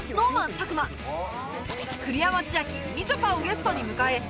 佐久間栗山千明みちょぱをゲストに迎え